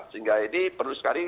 sehingga ini perlu sekali